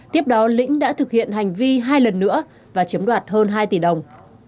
tiếp đó lĩnh đã thực hiện hành vi hai lần nữa và chiếm đoạt hơn hai tỷ đồng